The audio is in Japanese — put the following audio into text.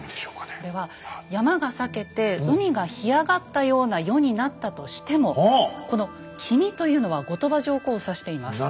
これは山が裂けて海が干上がったような世になったとしてもこの「君」というのは後鳥羽上皇を指しています。